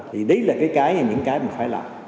những cái mình phải làm